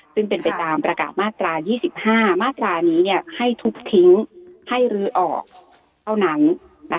ซึ่งเป็นไปตามประกาศมาตรา๒๕มาตรานี้ให้ทุบทิ้งให้รื้อออกเท่านั้น